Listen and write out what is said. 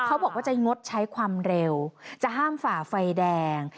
เขาบอกว่าจะงดใช้ความเร็วจะห้ามฝ่าไฟแดง